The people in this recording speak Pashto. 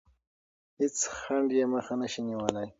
هیڅ خنډ یې مخه نه شي نیولی.